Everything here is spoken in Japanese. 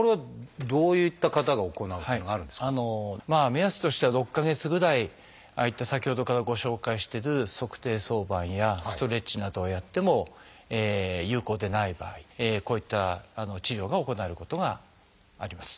目安としては６か月ぐらいああいった先ほどからご紹介してる足底挿板やストレッチなどをやっても有効でない場合こういった治療が行われることがあります。